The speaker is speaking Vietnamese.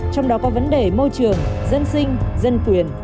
trong đó có vấn đề môi trường dân sinh dân quyền